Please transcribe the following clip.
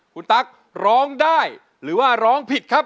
คุณตั๊กร้องได้หรือว่าร้องผิดครับ